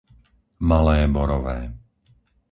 Malé Borové